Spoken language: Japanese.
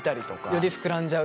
より膨らんじゃう。